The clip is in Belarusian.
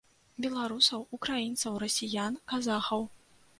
Беларусаў, украінцаў, расіян, казахаў.